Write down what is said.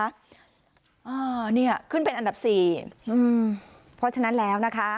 อ่าเนี่ยขึ้นเป็นอันดับสี่อืมเพราะฉะนั้นแล้วนะคะ